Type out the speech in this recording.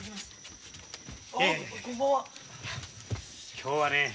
今日はね